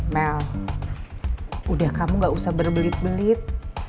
mel udah kamu gak usah berbelit belit